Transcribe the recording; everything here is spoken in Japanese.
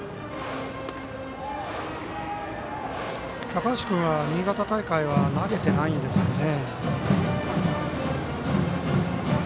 高橋君は新潟大会は投げていないんですよね。